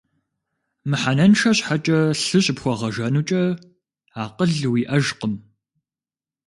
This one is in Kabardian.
Мыхьэнэншэ щхьэкӀэ лъы щыпхуэгъэжэнукӀэ, акъыл уиӀэжкъым.